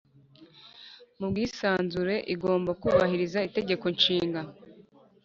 mu bwisanzure Igomba kubahiriza Itegeko Nshinga